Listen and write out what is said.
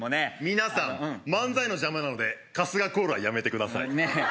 皆さん漫才の邪魔なので春日コールはやめてくださいねえ